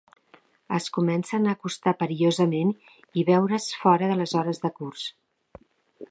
Es comencen a acostar perillosament i veure's fora de les hores de curs.